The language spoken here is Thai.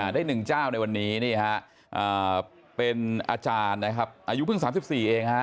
ได้หนึ่งเจ้าในวันนี้เป็นอาจารย์อายุเพิ่ง๓๔เอง